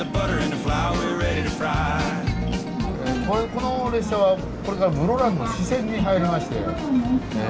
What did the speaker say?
この列車はこれから室蘭の支線に入りましてえ